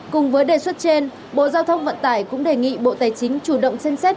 cùng với đề xuất trên bộ giao thông vận tải cũng đề nghị bộ tài chính chủ động xem xét